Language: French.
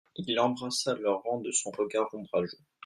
Il embrassa leurs rangs de son regard ombrageux.